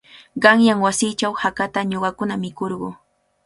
Qanyan wasiichaw hakata ñuqakuna mikurquu.